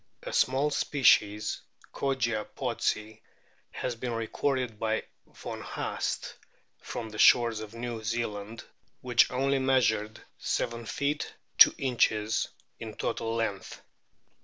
A small species, Kogia pottsi, has been recorded by von Haast* from the shores of New Zealand which only measured 7 feet 2 inches in total length.